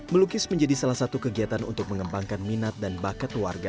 melukis menjadi salah satu kegiatan untuk mengembangkan minat dan bakat warga